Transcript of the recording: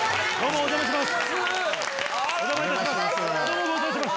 お邪魔いたします